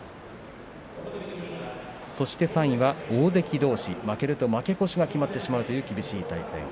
そして、３位は大関どうし負けると負け越しが決まるという厳しい相撲。